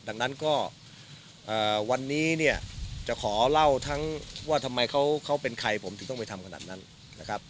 ดังนั้นก็วันนี้เนี่ยจะขอเล่าทั้งว่าทำไมเขาเป็นใครผมถึงต้องไปทำขนาดนั้นนะครับ